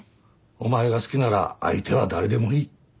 「お前が好きなら相手は誰でもいい」